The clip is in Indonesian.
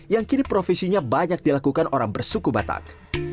yang kini profesinya banyak dilakukan orang bersuku batak